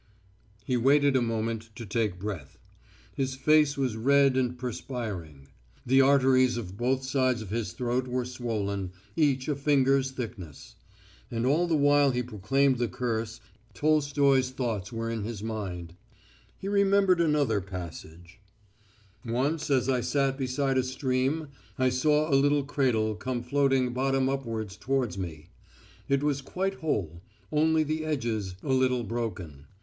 He waited a moment to take breath. His face was red and perspiring. The arteries on both sides of his throat were swollen, each a finger's thickness. And all the while he proclaimed the curse, Tolstoy's thoughts were in his mind. He remembered another passage: "Once as I sat beside a stream I saw a little cradle come floating bottom upwards towards me. It was quite whole, only the edges a little broken.